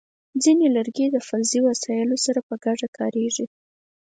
ځینې لرګي د فلزي وسایلو سره په ګډه کارېږي.